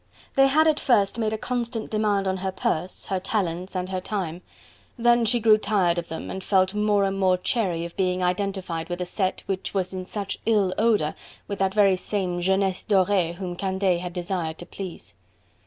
They had at first made a constant demand on her purse, her talents and her time: then she grew tired of them, and felt more and more chary of being identified with a set which was in such ill odour with that very same jeunesse doree whom Candeille had desired to please.